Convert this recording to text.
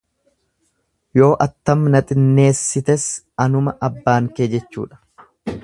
Yoo attam na xinneessites anuma abbaan kee jechuudha.